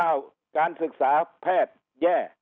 การศึกษาแพทย์แย่